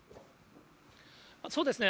そうですね。